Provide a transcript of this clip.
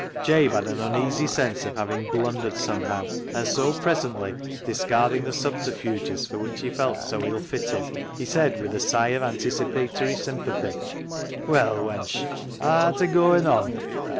Jabe had an uneasy sense of having blundered somehow, and so presently, discarding the subterfuges for which he felt so ill fitted, he said, with a sigh of anticipatory sympathy —" Well, wench, haa ar'ta goin' on